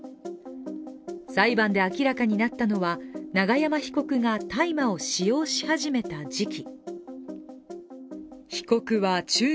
裁判で明らかになったのは、永山被告が大麻を使用し始めた時期。